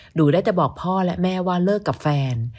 หนูได้แต่บอกพ่อและแม่ว่าเลิกกับแฟน